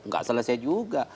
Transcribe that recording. gak selesai juga